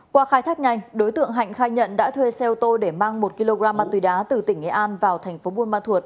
qua khai thác nhanh đối tượng hạnh khai nhận đã thuê xe ô tô để mang một kg ma túy đá từ tỉnh nghệ an vào tp bunma thuộc